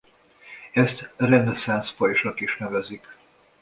Ezt reneszánsz pajzsnak is nevezik.